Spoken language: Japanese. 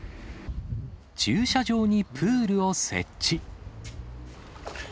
駐車場にプールを設置。